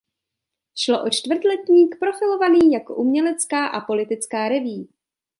Šlo o čtvrtletník profilovaný jako umělecká a politická revue.